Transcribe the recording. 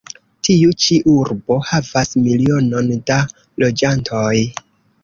Tiu ĉi urbo havas milionon da loĝantoj.